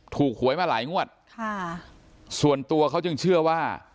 หวยมาหลายงวดค่ะส่วนตัวเขาจึงเชื่อว่า